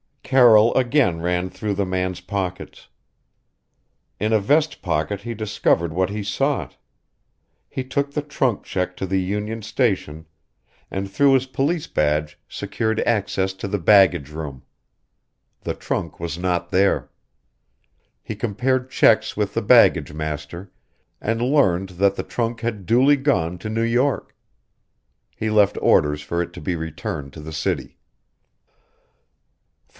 Carroll again ran through the man's pockets. In a vest pocket he discovered what he sought. He took the trunk check to the Union Station, and through his police badge secured access to the baggage room. The trunk was not there. He compared checks with the baggage master, and learned that the trunk had duly gone to New York. He left orders for it to be returned to the city.